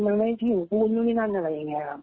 มันไม่ได้ถึงหุ้นหรือนี่นั่นอะไรอย่างนี้ครับ